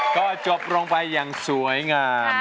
ก็จบลงไปยังสวยงามใช่